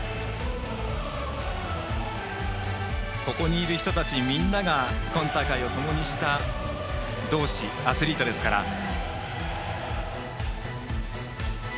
ここにいる人たちみんなが今大会をともにした同志、アスリートですから。